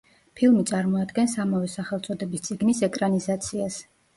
ფილმი წარმოადგენს ამავე სახელწოდების წიგნის ეკრანიზაციას.